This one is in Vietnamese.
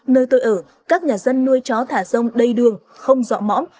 nơi tôi ở các nhà dân nuôi chó thả rông đầy đường không dọ mõm